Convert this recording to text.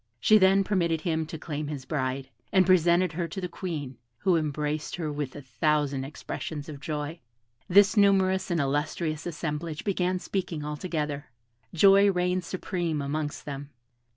She then permitted him to claim his bride, and presented her to the Queen, who embraced her with a thousand expressions of joy. This numerous and illustrious assemblage began speaking all together. Joy reigned supreme amongst them.